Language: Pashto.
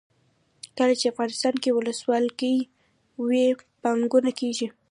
کله چې افغانستان کې ولسواکي وي پانګونه کیږي.